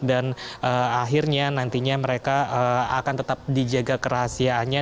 akhirnya nantinya mereka akan tetap dijaga kerahasiaannya